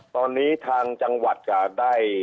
ตอนนี้ทางจังหวัดก็ได้